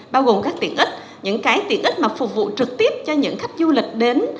bao gồm các tiện ích những cái tiện ích mà phục vụ trực tiếp cho những khách du lịch đến